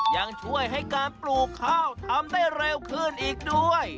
ยังช่วยให้การปลูกข้าวทำได้เร็วขึ้นอีกด้วย